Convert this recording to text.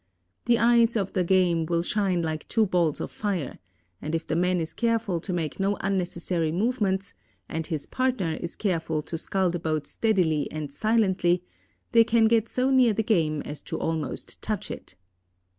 The eyes of the game will shine like two balls of fire, and if the man is careful to make no unnecessary movements, and his partner is careful to scull the boat steadily and silently, they can get so near the game as to almost touch it.